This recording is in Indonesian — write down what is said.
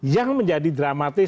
yang menjadi dramatis